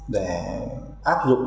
để áp dụng